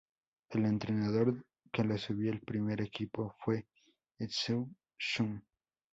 El entrenador que le subió al primer equipo fue Itzhak Shum.